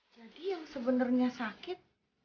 jadi yang sebenarnya sakit